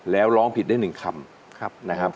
แล้วร้องผิดได้๑คำนะครับ